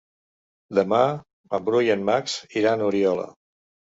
Demà en Bru i en Max iran a Oriola.